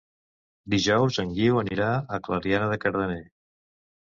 Dijous en Guiu anirà a Clariana de Cardener.